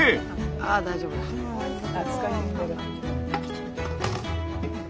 あぁ大丈夫だ。